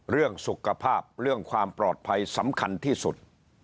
เรื่องสุขภาพเรื่องความปลอดภัยสำคัญที่สุด